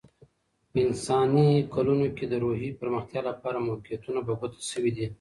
په انساني کلونه کې، د روحي پرمختیا لپاره موقعیتونه په ګوته شوي دي.